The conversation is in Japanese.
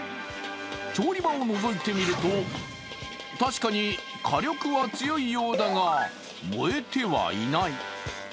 調理場をのぞいてみると確かに火力は強いようだが、燃えてはいない。